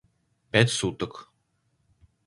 — Пять суток.